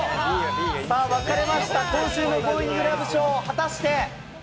さあ、分かれました、今週のゴーインググラブ賞、果たして。